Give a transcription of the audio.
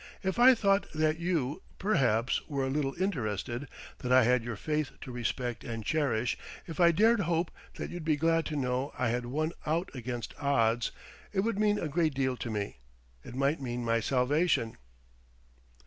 "If I thought that you, perhaps, were a little interested, that I had your faith to respect and cherish ... if I dared hope that you'd be glad to know I had won out against odds, it would mean a great deal to me, it might mean my salvation!"